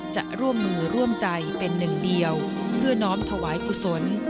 จะร่วมมือร่วมใจเป็นหนึ่งเดียวเพื่อน้อมถวายกุศล